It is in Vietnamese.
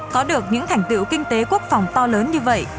có được những thành tựu kinh tế quốc phòng to lớn như vậy